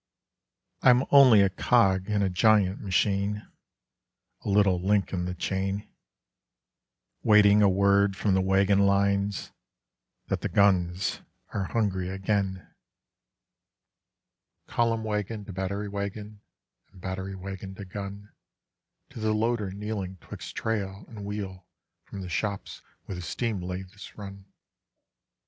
I am only a cog in a giant machine, a little link in the chain, Waiting a word from the wagon lines that the guns are hungry again: Column wagon to battery wagon, and battery wagon to gun; To the loader kneeling 'twixt trail and wheel from the _shops where the steam lathes run.